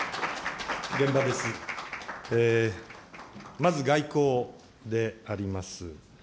まず外交であります。